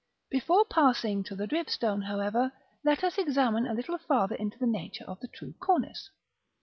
§ VII. Before passing to the dripstone, however, let us examine a little farther into the nature of the true cornice.